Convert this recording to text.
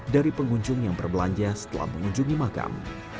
dari pengunjung yang berbelanja setelah mengunjungi makam